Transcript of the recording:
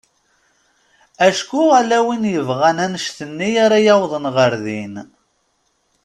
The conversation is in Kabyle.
Acku ala win yebɣan annect-nni ara yawḍen ɣer din.